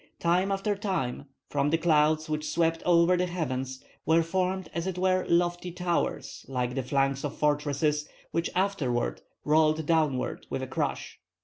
Time after time from the clouds which swept over the heavens were formed as it were lofty towers like the flanks of fortresses, which afterward rolled down with a crash.